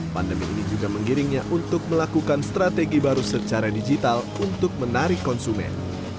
pandemi ini juga menggiringnya untuk melakukan strategi baru secara digital untuk menarik konsumen